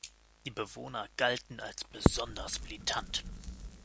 Die Bewohner galten als besonders militant.